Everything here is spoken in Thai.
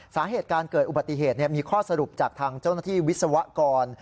สาเหตุการเกิดอุบัติเหตุมีข้อสรุปจากทางเจ้าหน้าที่วิศวกร